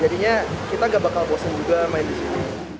jadinya kita nggak bakal bosan juga main di sini